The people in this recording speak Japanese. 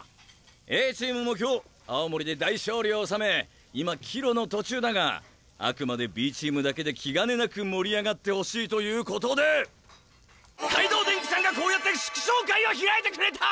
Ａチームも今日青森で大勝利を収め今帰路の途中だがあくまでＢチームだけで気兼ねなく盛り上がってほしいということで海堂電機さんがこうやって祝勝会を開いてくれた！